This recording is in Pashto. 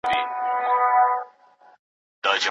خاوند پر ميرمن احسان نه دی اچولی.